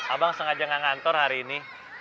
abang sengaja nggak ngantor hari ini